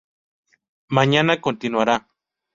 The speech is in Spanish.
Mañana continuará"".